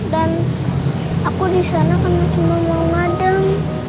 dan aku disana karena cuman mau ngadem